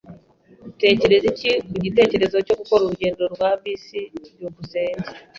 Utekereza iki ku gitekerezo cyo gukora urugendo rwa bisi? byukusenge